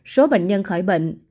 số bệnh nhân khỏi bệnh